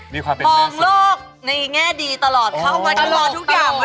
มีความเป็นแม่สุดพองโลกในแง่ดีตลอดเข้ามาทุกอย่าง